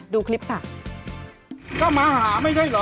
ดูคลิปค่ะ